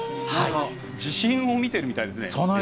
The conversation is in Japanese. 地震を見てるみたいですね。